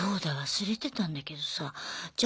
忘れてたんだけどさじゃ